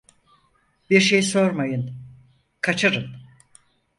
Bir şey sormayın, kaçırın…